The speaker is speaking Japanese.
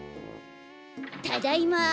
ただいま。